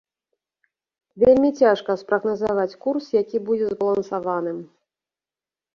Вельмі цяжка спрагназаваць курс, які будзе збалансаваным.